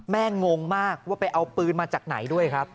งงมากว่าไปเอาปืนมาจากไหนด้วยครับ